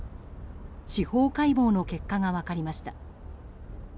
司法解剖の結果が分かりました。